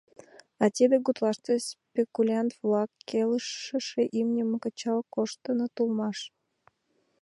А тиде гутлаште спекулянт-влак келшыше имньым кычал коштыныт улмаш.